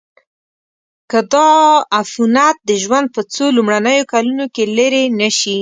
که دا عفونت د ژوند په څو لومړنیو کلونو کې لیرې نشي.